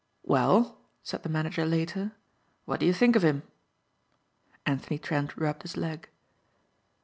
"Well," said the manager later, "what do you think of him?" Anthony Trent rubbed his leg.